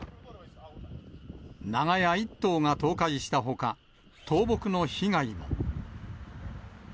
長屋１棟が倒壊したほか、倒木の被害も。